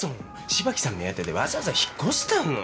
芝木さん目当てでわざわざ引っ越したの。